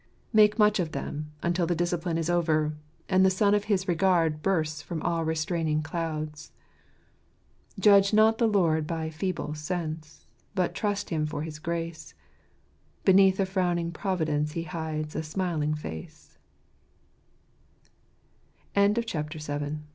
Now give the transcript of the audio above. Make much of them until the disci pline is over, and the sun of his regard bursts from all restraining clouds. "Judge not the Lord by feeble sense, But trust Him for his grace ; Beneath a frowning Provid